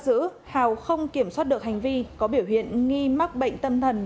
giữ hào không kiểm soát được hành vi có biểu hiện nghi mắc bệnh tâm thân